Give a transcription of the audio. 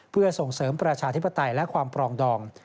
เพื่อส่งเสริมประชาธิปไตยและความปรองดอง